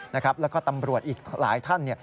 แล้วก็ตำรวจอีกหลายท่าน